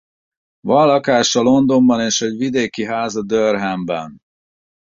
Van lakása Londonban és egy vidéki háza Durhamben.